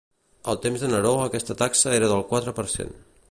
Al temps de Neró aquesta taxa era del quatre per cent.